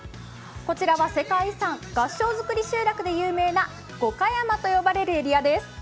こちらは世界遺産、合掌造り集落で有名な五箇山と呼ばれるエリアです。